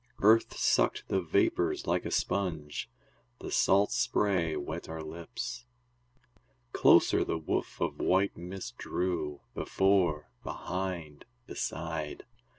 Earth sucked the vapors like a sponge, The salt spray wet our lips. Closer the woof of white mist drew, Before, behind, beside.